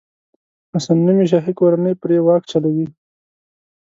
حسن نومي شاهي کورنۍ پرې واک چلوي.